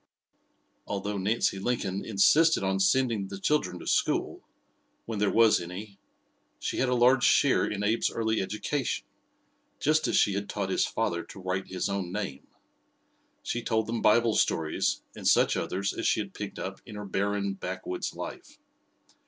Although Nancy Lincoln insisted on sending the children to school, when there was any, she had a large share in Abe's early education, just as she had taught his father to write his own name. She told them Bible stories and such others as she had picked up in her barren, backwoods life.